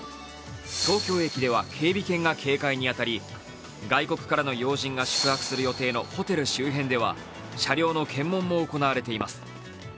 東京駅では警備犬が警戒に当たり外国からの要人が宿泊する予定のホテル周辺では車両の検問も行われています。